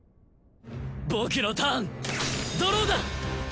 僕のターンドローだ！